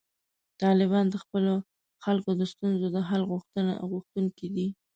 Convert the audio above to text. طالبان د خپلو خلکو د ستونزو د حل غوښتونکي دي.